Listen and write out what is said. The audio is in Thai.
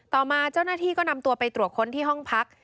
ต่อมาเจ้าหน้าที่ก็นำตัวไปตรวจค้นที่ห้องพัก